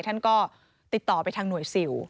ท่านก็ติดต่อไปทางหน่วยซิล